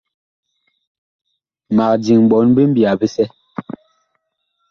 Mag diŋ ɓɔɔn bi mbiya bisɛ.